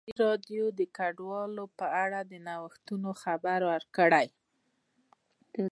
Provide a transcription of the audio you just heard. ازادي راډیو د کډوال په اړه د نوښتونو خبر ورکړی.